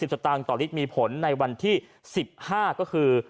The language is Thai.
สตางค์ต่อลิตรมีผลในวันที่๑๕ก็คือ